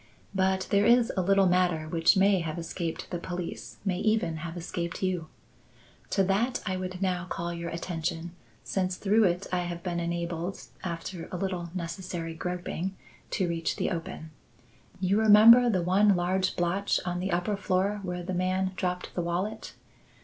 But there is a little matter which may have escaped the police, may even have escaped you. To that I would now call your attention since through it I have been enabled, after a little necessary groping, to reach the open. You remember the one large blotch on the upper floor where the man dropped the wallet?